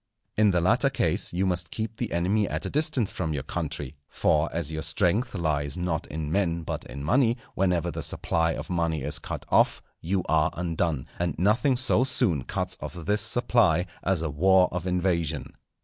In the latter case you must keep the enemy at a distance from your country, for as your strength lies not in men but in money, whenever the supply of money is cut off you are undone, and nothing so soon cuts off this supply as a war of invasion.